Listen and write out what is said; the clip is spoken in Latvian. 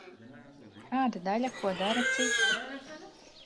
Kāda daļa ko dara citi.